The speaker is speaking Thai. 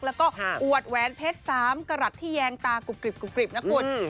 แล้วก็อวดแหวนเพชร๓กระหลัดที่แยงตากรุบกริบนะคุณ